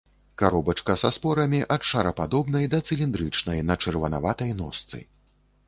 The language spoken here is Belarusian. Каробачка са спорамі ад шарападобнай да цыліндрычнай, на чырванаватай ножцы.